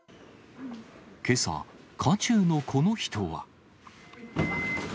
けさ、渦中のこの人は。